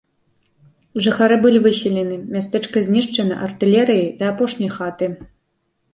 Жыхары былі выселены, мястэчка знішчана артылерыяй да апошняй хаты.